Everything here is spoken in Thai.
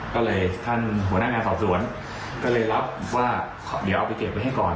ก็เลยท่านหัวหน้างานสอบสวนก็เลยรับว่าเดี๋ยวเอาไปเก็บไว้ให้ก่อน